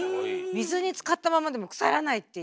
水に浸かったままでも腐らないっていう。